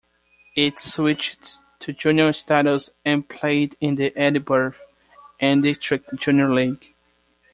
It switched to junior status and played in the Edinburgh and District Junior League.